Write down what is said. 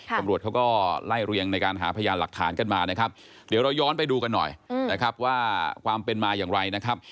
ตำรวจเขาก็ไล่เรียงในการหาพยานหลักฐานกันมานะครับเดี๋ยวเราย้อนไปดูกันหน่อยนะครับว่าความเป็นมาอย่างไรนะครับ